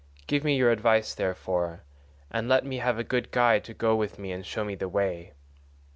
Give me your advice therefore, and let me have a good guide to go with me and show me the way.